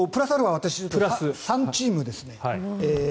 私は３チームですね